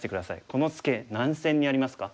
このツケ何線にありますか？